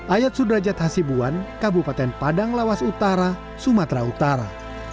ayat sudrajat hasibuan kabupaten padang lawas utara sumatera utara